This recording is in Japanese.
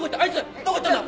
どこ行ったんだ！？